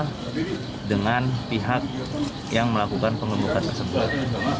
sekolah dengan pihak yang melakukan pengembukaan tersebut